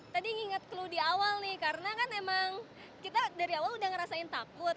tadi nginget clue di awal nih karena kan emang kita dari awal udah ngerasain takut